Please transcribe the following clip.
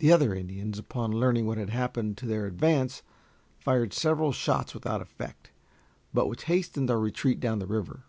The other Indians, upon learning what had happened to their advance, fired several shots without effect, but which hastened our retreat down the river.